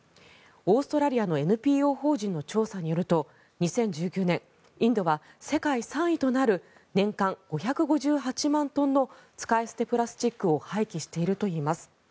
オーストラリアのＮＰＯ法人の調査によると２０１９年、インドは世界３位となる年間５５８万トンの使い捨てプラスチックを廃棄しているといいます。